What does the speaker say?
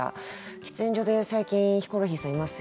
「喫煙所で最近ヒコロヒーさんいますよね。